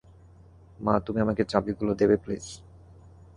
মা, তুমি আমাকে চাবিগুলো দেবে প্লিজ?